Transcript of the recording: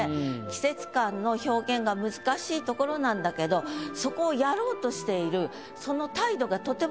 季節感の表現が難しいところなんだけどそこを私は思います。